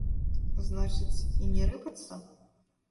Значыць, і не рыпацца?